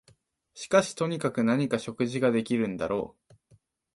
しかしとにかく何か食事ができるんだろう